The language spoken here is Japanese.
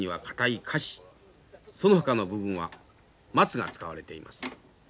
そのほかの部分はマツが使われています。